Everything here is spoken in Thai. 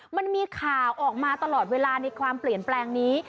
มันมีข่าวออกมาตลอดเวลาในความเปลี่ยนแปลงนี้